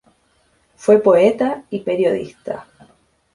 Fue poeta, y periodista.